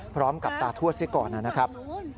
พร้อมกับตาทวดเสียก่อนนะครับ